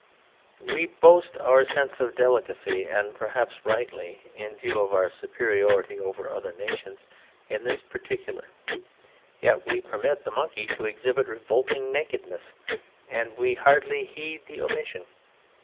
We boast our sense of delicacy, and perhaps rightly, in view of our superiority over other nations in this particular; yet we permit the Monkey to exhibit revolting nakedness, and we hardly heed the omission!